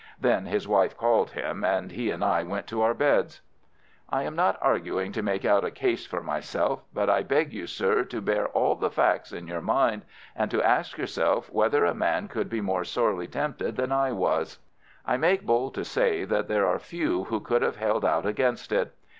Then his wife called him, and he and I went to our beds. I am not arguing to make out a case for myself, but I beg you, sir, to bear all the facts in your mind, and to ask yourself whether a man could be more sorely tempted than I was. I make bold to say that there are few who could have held out against it.